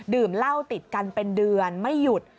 ดื่มเหล้าติดกันเป็นเดือนไม่หยุด